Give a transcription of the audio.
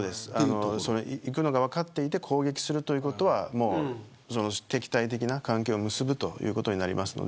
行くのが分かっていて攻撃するということは敵対的関係を結ぶことになります。